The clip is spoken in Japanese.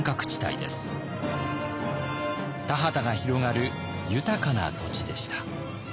田畑が広がる豊かな土地でした。